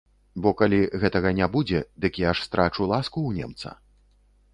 Бо калі гэтага не будзе, дык я ж страчу ласку ў немца.